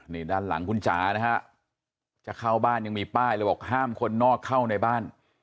นี่ด้านหลังคุณจ๋านะฮะจะเข้าบ้านยังมีป้ายเลยบอกห้ามคนนอกเข้าในบ้าน